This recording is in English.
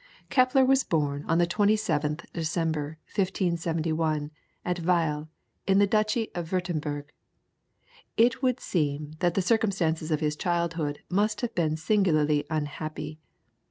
Kepler was born on the 27th December, 1571, at Weil, in the Duchy of Wurtemberg. It would seem that the circumstances of his childhood must have been singularly unhappy.